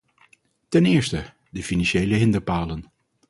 Ten eerste, de financiële hinderpalen.